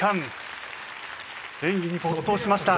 演技に没頭しました。